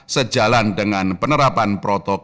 sejalan dengan ekonomi ekonomi domestik